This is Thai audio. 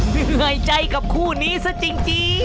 ไม่ไหงใจกับคู่นี้ซะจริง